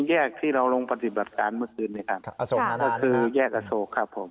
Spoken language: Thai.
แยกที่เราลงปฏิบัติการเมื่อคืนนี้ครับอโศกมาก็คือแยกอโศกครับผม